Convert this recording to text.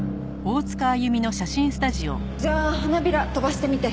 じゃあ花びら飛ばしてみて。